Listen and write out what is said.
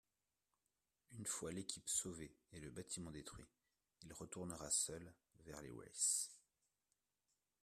Une fois l'équipe sauvée et le bâtiment détruit il retournera seul vers les Wraiths.